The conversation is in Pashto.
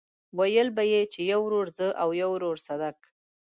ويل به يې چې يو ورور زه او يو ورور صدک.